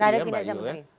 terhadap kinerja menteri